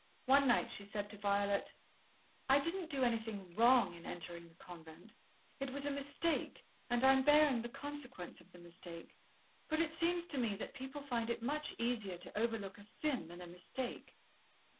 One night she said to Violet: "I didn't do anything wrong in entering the convent. It was a mistake, and I'm bearing the consequence of the mistake. But it seems to me that people find it much easier to overlook a sin than a mistake."